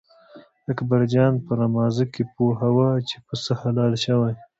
اکبر جان په رمازه کې پوهوه چې پسه حلال شوی.